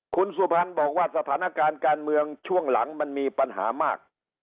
คุณสุพรรณบอกว่าสถานการณ์การเมืองช่วงหลังมันมีปัญหามาก